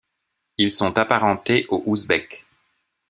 Ils sont apparentés aux Ouzbeks.